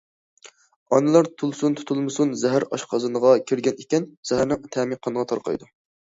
ئانىلار تۇتۇلسۇن- تۇتۇلمىسۇن، زەھەر ئاشقازىنىغا كىرگەن ئىكەن، زەھەرنىڭ تەمى قانغا تارقايدۇ.